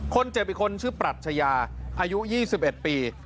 คนเจ็บอีกคนชื่อปรัชญาอายุยี่สิบเอ็ดปี